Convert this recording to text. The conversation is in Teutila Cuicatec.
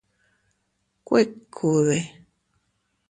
¿Kuikude?